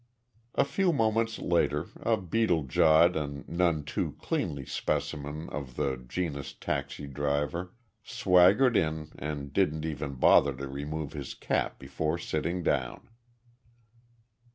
A few moments later a beetle jawed and none too cleanly specimen of the genus taxi driver swaggered in and didn't even bother to remove his cap before sitting down.